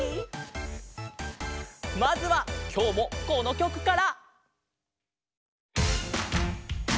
まずはきょうもこのきょくから！